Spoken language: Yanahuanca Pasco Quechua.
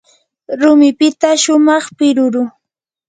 rumipita shumaq piruru.